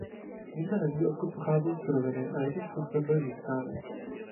Nikdo neví, odkud pocházejí suroviny a jakým způsobem byly získány.